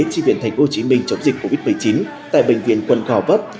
tri viện thành phố hồ chí minh chống dịch covid một mươi chín tại bệnh viện quân cò vấp